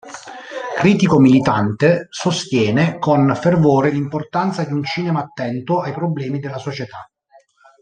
Critico militante, sostiene con fervore l'importanza di un cinema attento ai problemi della società.